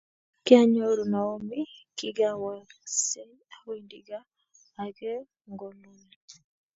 Kyanyoru Naomi kigaweksei awendi gaa agengololye